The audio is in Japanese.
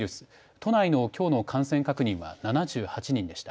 都内のきょうの感染確認は７８人でした。